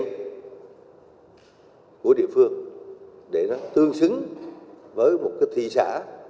hệ thống thu hút lâu dài của địa phương để nó tương xứng với một cái thị xã